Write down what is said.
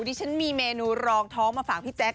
ดิฉันมีเมนูรองท้องมาฝากพี่แจ๊ค